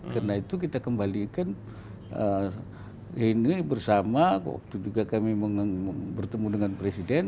karena itu kita kembalikan bersama waktu juga kami bertemu dengan presiden